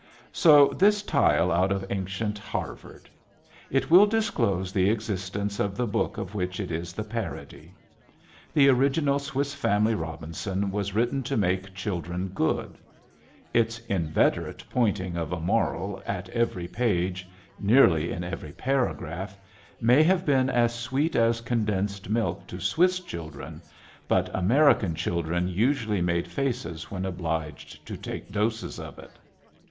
So this tile out of Ancient Harvard. It will disclose the existence of the book of which it is the parody. The original Swiss Family Robinson was written to make children good. Its inveterate pointing of a moral at every page, nearly in every paragraph, may have been as sweet as condensed milk to Swiss children, but American children usually made faces when obliged to take doses of it.